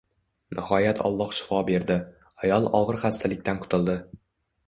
Nihoyat Olloh shifo berdi, ayol ogʻir xastalikdan qutuldi